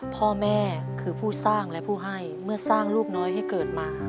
พ่อแม่คือผู้สร้างและผู้ให้เมื่อสร้างลูกน้อยให้เกิดมา